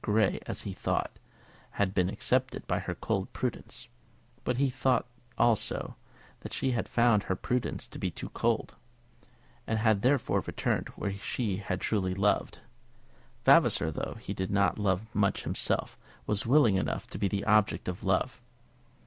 Grey, as he thought, had been accepted by her cold prudence; but he thought, also, that she had found her prudence to be too cold, and had therefore returned where she had truly loved. Vavasor, though he did not love much himself, was willing enough to be the object of love.